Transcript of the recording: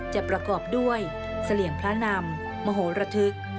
ประกอบด้วยเสลี่ยงพระนำมโหระทึก